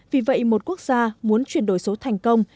vì vậy một quốc gia muốn chuyển đổi số thành công